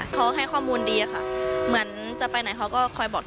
เขาให้ข้อมูลดีอะค่ะเหมือนจะไปไหนเขาก็คอยบอก